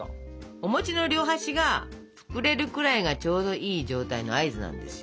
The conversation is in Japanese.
おの両端が膨れるくらいがちょうどいい状態の合図なんですよ。